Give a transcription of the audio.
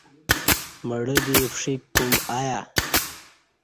مڑہ دی پݜیک کوم اہ یہ